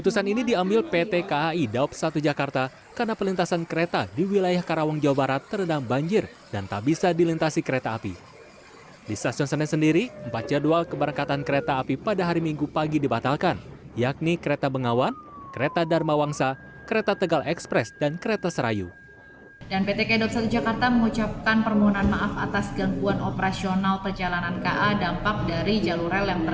dan pt kedok satu jakarta mengucapkan permohonan maaf atas gangguan operasional perjalanan ka dampak dari jalur rel yang terendam banjir tersebut